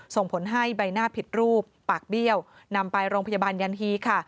ส่งผลให้ใบหน้าผิดรูปปากเบี้ยวนำไปโรงพยาบาลยันฮีค่ะ